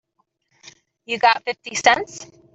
You got fifty cents?